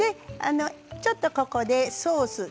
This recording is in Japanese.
ちょっとここでソース。